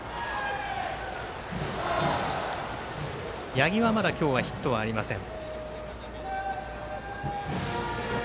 八木はまだ今日はヒットありません。